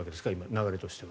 流れとしては。